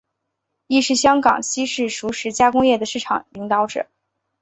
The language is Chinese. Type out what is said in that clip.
亦是香港西式熟食加工业的市场领导者。